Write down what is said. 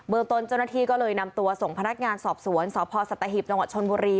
ตนเจ้าหน้าที่ก็เลยนำตัวส่งพนักงานสอบสวนสพสัตหิบจังหวัดชนบุรี